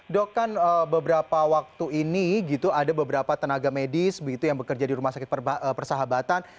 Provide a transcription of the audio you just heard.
dok kan beberapa waktu ini gitu ada beberapa tenaga medis begitu yang bekerja di rumah sakit persahabatan